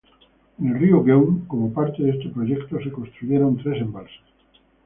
En el río Geum, como parte de este proyecto, se construyeron tres embalses.